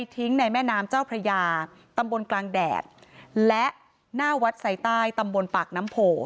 ทิ้งในแม่น้ำเจ้าพระยาตำบลกลางแดดและหน้าวัดไซใต้ตำบลปากน้ำโพ